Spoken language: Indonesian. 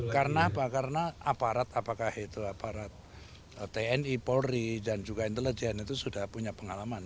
karena aparat apakah itu aparat tni polri dan juga intelijen itu sudah punya pengalaman